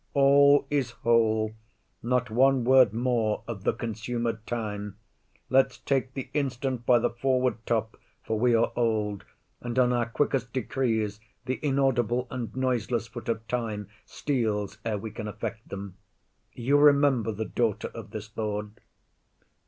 All is whole. Not one word more of the consumed time. Let's take the instant by the forward top; For we are old, and on our quick'st decrees Th'inaudible and noiseless foot of time Steals ere we can effect them. You remember The daughter of this lord?